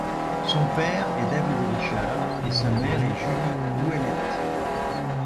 Son père est David Richard et sa mère est Julie Ouellette.